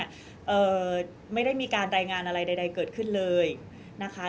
เพราะฉะนั้นเนี่ยไม่ได้มีการรายงานอะไรใดเกิดขึ้นเลยนะคะ